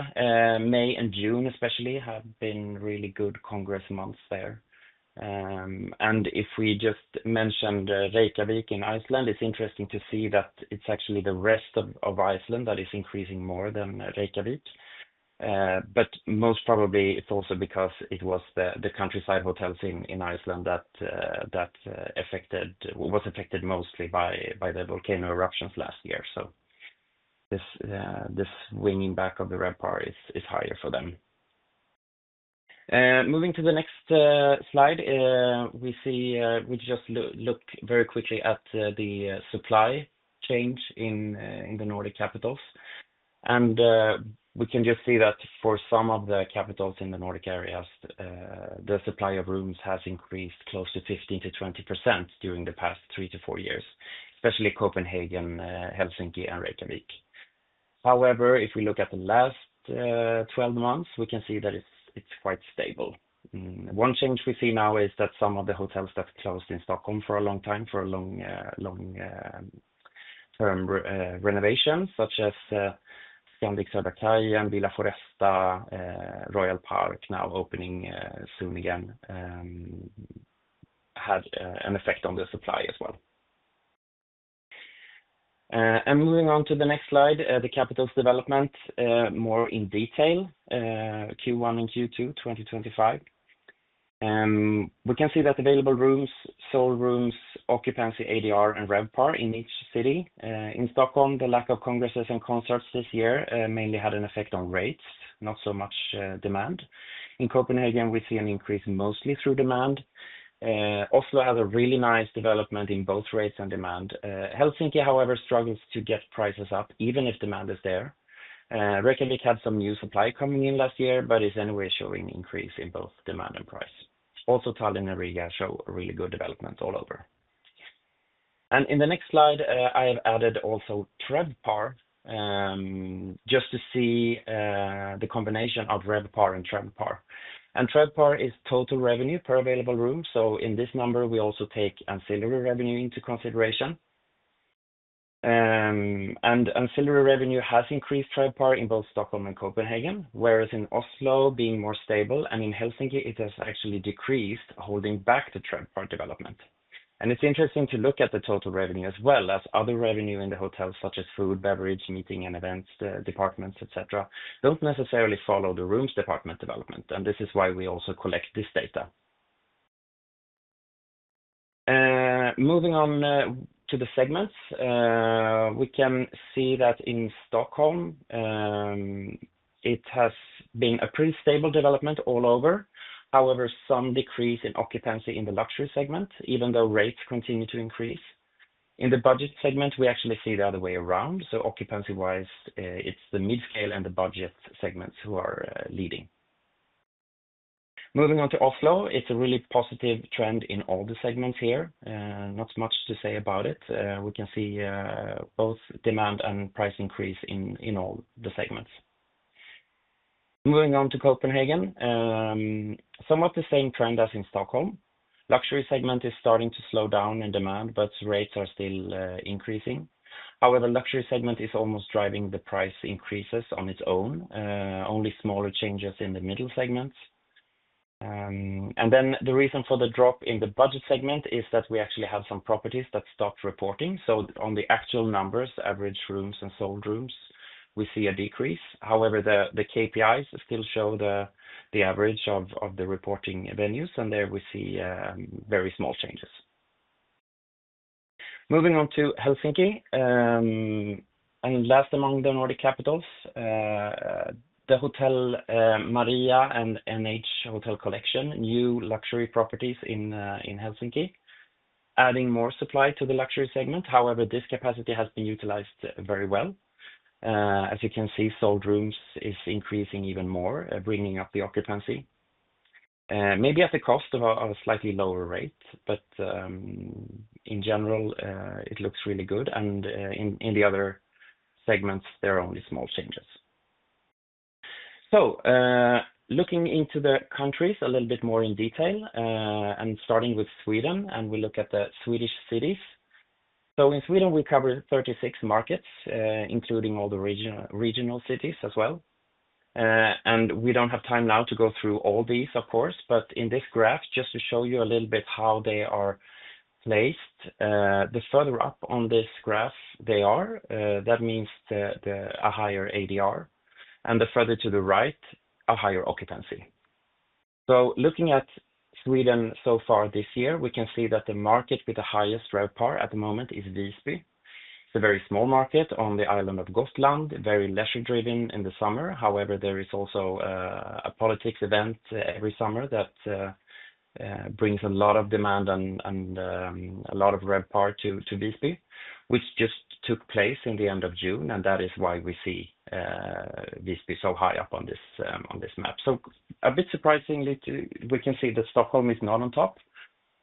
May and June especially have been really good congress months there. If we just mention Reykjavik in Iceland, it's interesting to see that it's actually the rest of Iceland that is increasing more than Reykjavik. Most probably it's also because it was the countryside hotels in Iceland that were affected mostly by the volcano eruptions last year. This swinging back of the RevPAR is higher for them. Moving to the next slide, we see if we just look very quickly at the supply change in the Nordic capitals, we can just see that for some of the capitals in the Nordic areas, the supply of rooms has increased close to 15%-20% during the past three to four years, especially Copenhagen, Helsinki, and Reykjavik. However, if we look at the last 12 months, we can see that it's quite stable. One change we see now is that some of the hotels that closed in Stockholm for a long time for renovations, such as Scandic, Sarda, CAI, and Villa Foresta, Royal Park, now opening soon again, had an effect on the supply as well. Moving on to the next slide, the capitals' development more in detail Q1 and Q2 2025, we can see that available rooms, sold rooms, occupancy, ADR, and RevPAR in each city. In Stockholm, the lack of congresses and concerts this year mainly had an effect on rates, not so much demand. In Copenhagen, we see an increase mostly through demand. Oslo has a really nice development in both rates and demand. Helsinki, however, struggles to get prices up even if demand is there. Reykjavik had some new supply coming in last year but is anyway showing increase in both demand and price. Also, Tallinn and Riga show really good developments all over the place. In the next slide, I have added also TRevPAR just to see the combination of RevPAR and TRevPAR, and TRevPAR is total revenue per available room. In this number, we also take ancillary revenue into consideration. Ancillary revenue has increased RevPAR in both Stockholm and Copenhagen, whereas in Oslo being more stable and in Helsinki it has actually decreased, holding back the development. It's interesting to look at the total revenue as well as other revenue in the hotels, such as food, beverage, meeting and events departments, etc. Don't necessarily follow the rooms department development, and this is why we also collect this data. Moving on to the segments, we can see that in Stockholm it has been a pretty stable development all over. However, some decrease in occupancy in the luxury segment even though rates continue to increase. In the budget segment, we actually see the other way around. Occupancy-wise, it's the midscale and the budget segments who are leading. Moving on to offload, it's a really positive trend in all the segments here. Not much to say about it. We can see both demand and price increase in all the segments. Moving on to Copenhagen, somewhat the same trend as in Stockholm. Luxury segment is starting to slow down in demand, but rates are still increasing. However, luxury segment is almost driving the price increases on its own, only smaller changes in the middle segments. The reason for the drop in the budget segment is that we actually have some properties that stopped reporting. On the actual numbers, average rooms and sold rooms, we see a decrease. However, the KPIs still show the average of the reporting venues, and there we see very small changes. Moving on to Helsinki and last among the Nordic capitals, the Hotel Maria and NH Hotel Collection. New luxury properties in Helsinki adding more supply to the luxury segment. However, this capacity has been utilized very well. As you can see, sold rooms is increasing even more, bringing up the occupancy, maybe at the cost of a slightly lower rate, but in general it looks really good. In the other segments, there are only small changes. Looking into the countries a little bit more in detail and starting with Sweden, and we look at the Swedish cities. In Sweden, we cover 36 markets including all the regional cities as well. We don't have time now to go through all these, of course, but in this graph just to show you a little bit how they are placed. The further up on this graph they are, that means a higher ADR, and the further to the right, a higher occupancy. Looking at Sweden so far this year, we can see that the market with the highest RevPAR at the moment is Visby. It's a very small market on the island of Gotland, very leisure driven in the summer. There is also a politics event every summer that brings a lot of demand and a lot of RevPAR to Visby, which just took place in the end of June. That is why we see Visby so high up on this. A bit surprisingly, we can see that Stockholm is not on top.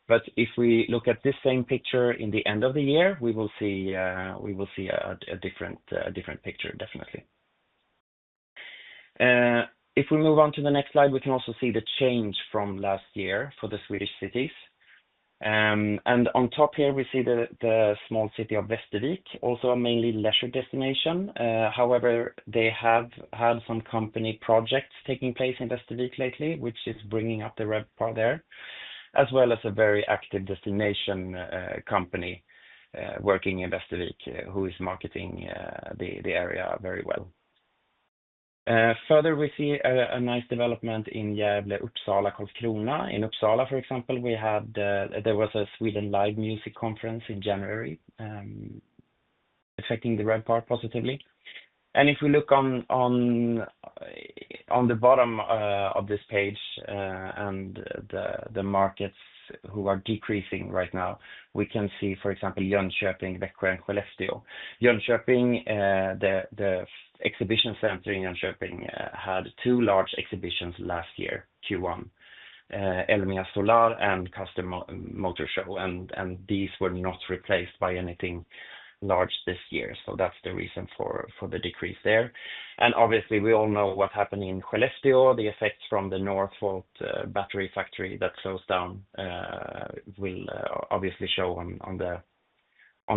If we look at this same picture at the end of the year, we will see a different picture definitely. If we move on to the next slide, we can also see the change from last year for the Swedish cities. On top here, we see the small city of Västervik, also a mainly leisure destination. However, they have had some company projects taking place in Västervik lately, which is bringing up the RevPAR there, as well as a very active destination company working in Västervik who is marketing the area very well. Further, we see a nice development in a hotel in Uppsala and Kiruna. In Uppsala, for example, there was a Sweden Live music conference. January. Affecting the RevPAR positively. If we look on the bottom of this page and the markets that are decreasing right now, we can see, for example, Jönköping, Växjö, and Kalmar. Jönköping, the exhibition center in Jönköping, had two large exhibitions last year, Q1 Elmia Solar and Custom Motor Show, and these were not replaced by anything large this year. That's the reason for the decrease there. Obviously, we all know what's happening in Skellefteå. The effects from the Northvolt battery factory that closed down will obviously show on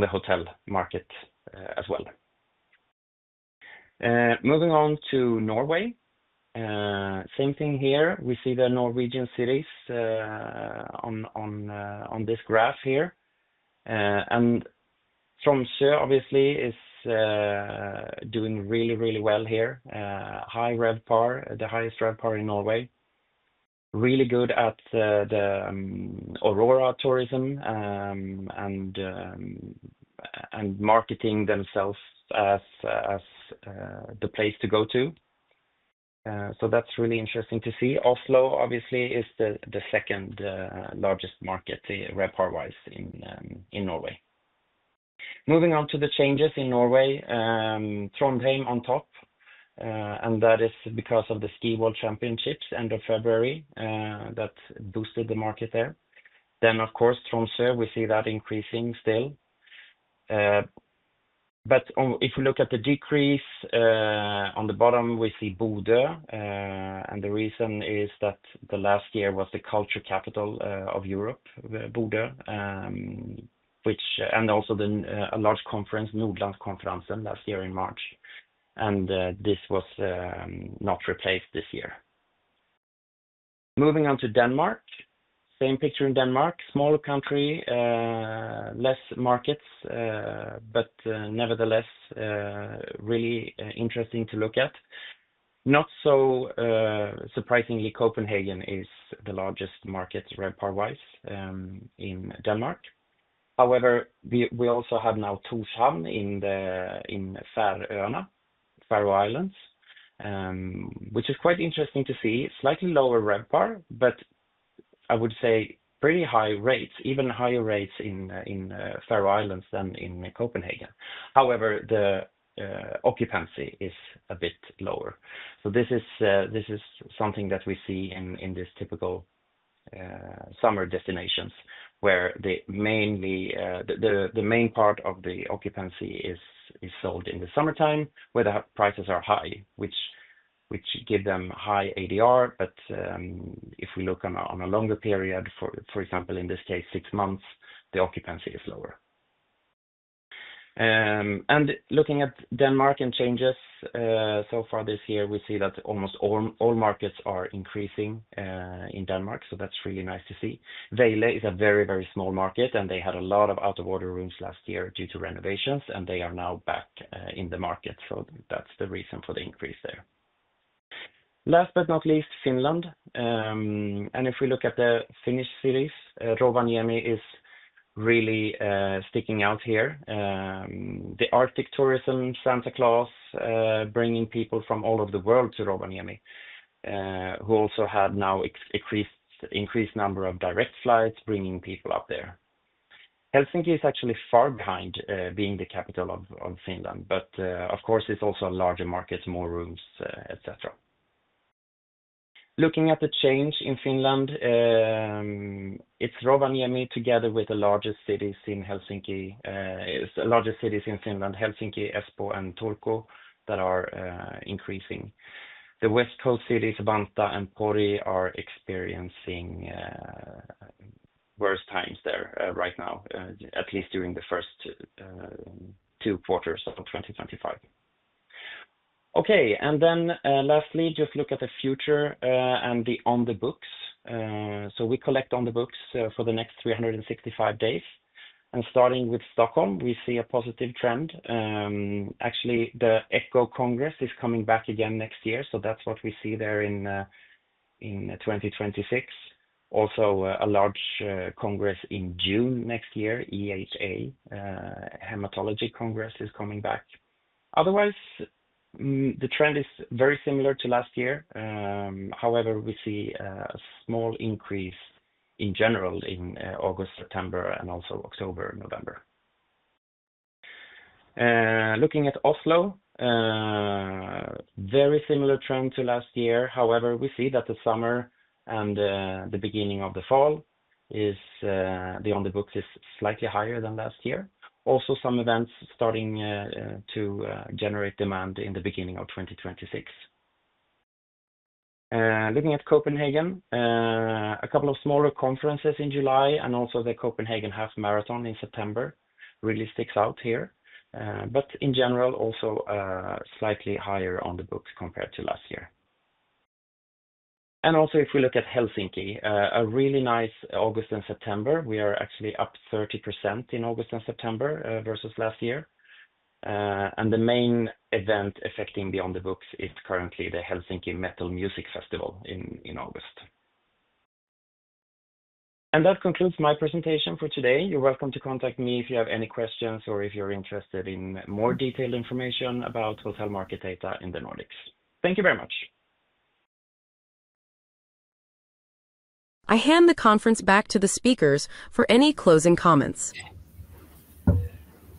the hotel market as well. Moving on to Norway, same thing here. We see the Norwegian cities on this graph here, and Tromsø obviously is doing really, really well here. High RevPAR, the highest RevPAR in Norway. Really good at the Aurora tourism and marketing themselves as the place to go to, so that's really interesting to see. Oslo obviously is the second largest market RevPAR-wise in Norway. Moving on to the changes in Norway, Trondheim on top, and that is because of the Ski World Championships end of February that boosted the market there. Of course, Tromsø, we see that increasing still. If we look at the decrease on the bottom, we see Bodø, and the reason is that last year was the culture capital of Europe, Bodø, and also a large conference, Nordland Conference, last year in March, and this was not replaced this year. Moving on to Denmark, same picture in Denmark, smaller country, fewer markets, but nevertheless really interesting to look at. Not so surprisingly, Copenhagen is the largest market RevPAR-wise in Denmark. However, we also have now Tórshavn in the Faroe Islands, which is quite interesting to see. Slightly lower RevPAR, but I would say pretty high rates. Even higher rates in Faroe Islands than in Copenhagen. However, the occupancy is a bit lower. This is something that we see in these typical summer destinations where the main part of the occupancy is sold in the summertime, where the prices are high, which give them high ADR. If we look on a longer period, for example in this case six months, the occupancy is lower. Looking at Denmark and changes so far this year, we see that almost all markets are increasing in Denmark, so that's really nice to see. Vejle is a very, very small market, and they had a lot of out-of-order rooms last year due to renovations, and they are now back in the market. That's the reason for the increase there. Last but not least, Finland, and if we look at the Finnish series, Rovaniemi is really sticking out here. The Arctic tourism, Santa Claus bringing people from all over the world to Rovaniemi, who also had now increased number of direct flights bringing people up there. Helsinki is actually far behind, being the capital of Finland, but of course it's also a larger market, more rooms, etc. Looking at the change in Finland. It's. Rovaniemi together with the largest cities in Finland, Helsinki, Espoo, and Turku, are increasing. The west coast cities, Vantaa and Pori, are experiencing worse times there right now, at least during the first two quarters of 2025. Okay. Lastly, just look at the future and the on the books. We collect on the books for the next 365 days. Starting with Stockholm, we see a positive trend. Actually, the ECCO Congress is coming back again next year. That's what we see there in 2026. Also, a large congress in June next year. ECCO Hematology Congress is coming back. Otherwise, the trend is very similar to last year. However, we see a small increase in general in August, September, and also October, November. Looking at Oslo, very similar trend to last year. However, we see that the summer and the beginning of the fall, the on the books is slightly higher than last year. Also, some events starting to generate demand in the beginning of 2026. Looking at Copenhagen, a couple of smaller conferences in July and also the Copenhagen Half Marathon in September really sticks out here, but in general also slightly higher on the books compared to last year. Also, if we look at Helsinki, a really nice August and September, we are actually up 30% in August and September versus last year. The main event affecting the on the books is currently the Helsinki Metal Music Festival in August. That concludes my presentation for today. You're welcome to contact me if you have any questions or if you're interested in more detailed information about hotel market data in the Nordics. Thank you very much. I hand the conference back to the speakers for any closing comments.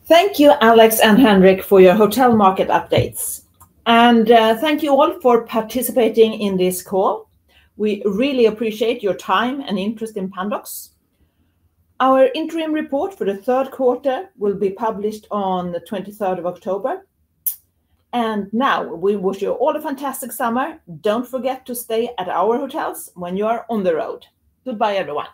Thank you Alex and Henrik for your hotel market updates, and thank you all for participating in this call. We really appreciate your time and interest in Pandox. Our interim report for the third quarter will be published on 23rd of October. We wish you all a fantastic summer. Don't forget to stay at our hotels when you are on the road. Goodbye everyone.